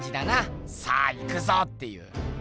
「さあ行くぞ！」っていう。